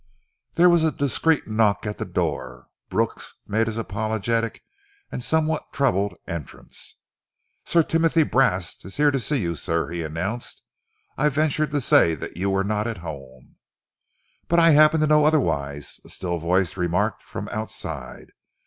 There was a discreet knock at the door. Brooks made his apologetic and somewhat troubled entrance. "Sir Timothy Brast is here to see you, sir," he announced. "I ventured to say that you were not at home " "But I happened to know otherwise," a still voice remarked from outside.